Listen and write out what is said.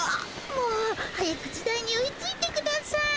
もう早く時代に追いついてください。